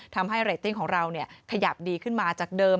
ทำให้เรตติ้งของเราขยับดีขึ้นมาจากเดิม